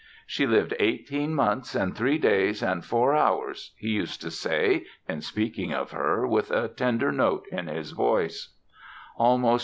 "She lived eighteen months and three days and four hours," he used to say, in speaking of her, with a tender note in his voice.